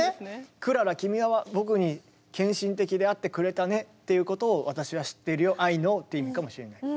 クララ君は僕に献身的であってくれたねっていうことを私は知っているよ「Ｉｋｎｏｗ」って意味かもしれない。